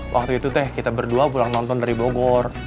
waktu itu teh kita berdua pulang nonton dari bogor